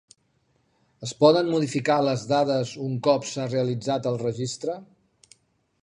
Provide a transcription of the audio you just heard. Es poden modificar les dades un cop s'ha realitzat el registre?